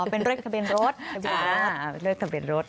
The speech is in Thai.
เป็นเริ่มตะเบียนรถ